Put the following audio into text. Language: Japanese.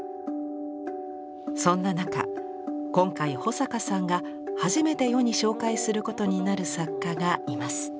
そんな中今回保坂さんが初めて世に紹介することになる作家がいます。